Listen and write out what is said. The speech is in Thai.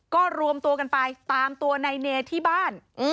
ก็รวมตัวกันไปตามตัวนายเนที่บ้าน